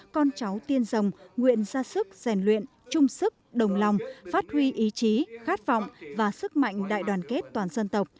con cháu tiên rồng nguyện ra sức rèn luyện chung sức đồng lòng phát huy ý chí khát vọng và sức mạnh đại đoàn kết toàn dân tộc